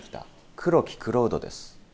黒木蔵人です。